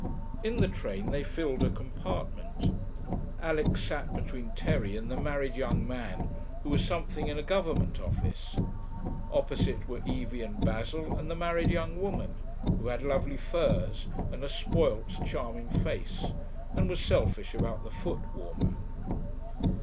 In the train they filled a compartment. Alix sat between Terry and the married young man, who was something in a government office. Opposite were Evie and Basil and the married young woman, who had lovely furs and a spoilt, charming face, and was selfish about the foot warmer.